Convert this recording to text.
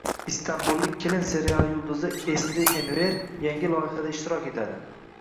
“Istanbullik kelin” seriali yulduzi Asli Enver yangi loyihada ishtirok etadi